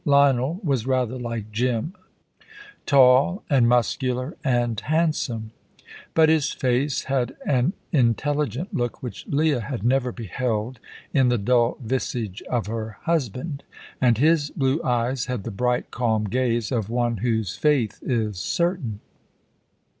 Lionel was rather like Jim, tall and muscular and handsome. But his face had an intelligent look which Leah had never beheld in the dull visage of her husband, and his blue eyes had the bright, calm gaze of one whose faith is certain.